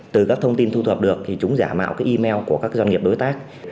từ các thông tin thu thập được thì chúng giả mạo cái email của các doanh nghiệp đối tác